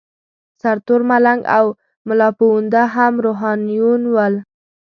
سرتور ملنګ او ملاپوونده هم روحانیون ول.